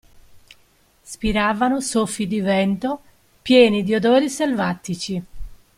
Spiravano soffi di vento, pieni di odori selvatici.